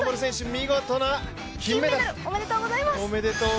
見事な金メダル！おめでとうございます。